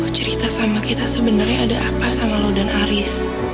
cerita sama kita sebenarnya ada apa sama lo dan aris